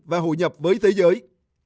và hội nhập với thế giới